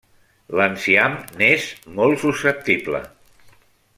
L'enciam n'és molt susceptible.